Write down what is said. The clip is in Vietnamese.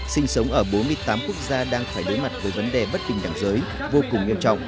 sinh sống ở bốn mươi tám quốc gia đang phải đối mặt với vấn đề bất bình đẳng giới vô cùng nghiêm trọng